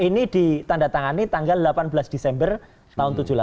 ini ditandatangani tanggal delapan belas desember tahun seribu sembilan ratus tujuh puluh delapan